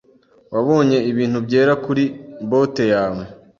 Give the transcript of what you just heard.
Wabonye ibintu byera kuri bote yawe.